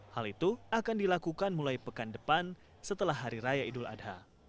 hal itu akan dilakukan mulai pekan depan setelah hari raya idul adha